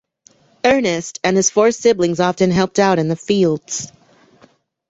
Ernest and his four siblings often helped out in the fields.